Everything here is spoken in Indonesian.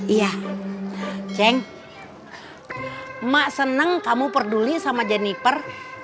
iya ceng mak senang kamu peduli sama jennifer